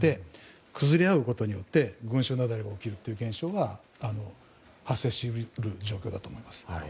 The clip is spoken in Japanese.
崩れ合うことによって群衆雪崩が起きるということが発生し得る状況だと思います。